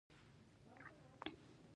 د افغانانو لباسونه تاریخي مخینه لري.